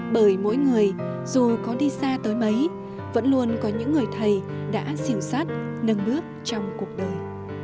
bởi mỗi người dù có đi xa tới mấy vẫn luôn có những người thầy đã siêu sát nâng bước trong cuộc đời